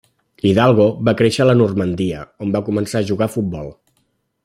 Hidalgo va créixer a la Normandia, on va començar a jugar a futbol.